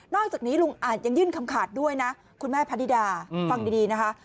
อกจากนี้ลุงอาจยังยื่นคำขาดด้วยนะคุณแม่พะนิดาฟังดีนะคะ